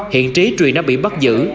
hiện trí truyền đã bị bắt giữ